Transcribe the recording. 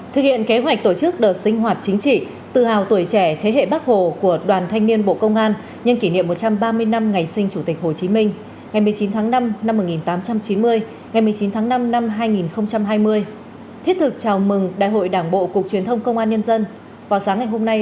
thực hiện kế hoạch tổ chức đợt sinh hoạt chính trị tự hào tuổi trẻ thế hệ bắc hồ của đoàn thanh niên bộ công an nhân kỷ niệm một trăm ba mươi năm ngày sinh chủ tịch hồ chí minh ngày một mươi chín tháng năm năm một nghìn tám trăm chín mươi ngày một mươi chín tháng năm năm hai nghìn hai mươi